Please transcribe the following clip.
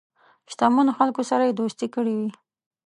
شته منو خلکو سره یې دوستی کړې وي.